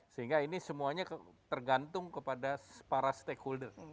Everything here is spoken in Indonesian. sehingga ini semuanya tergantung kepada para stakeholder